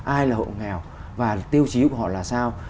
ai là hộ nghèo và tiêu chí của họ là sao